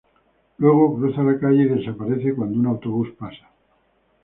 Luego cruza la calle y desaparece cuando un autobús pasa.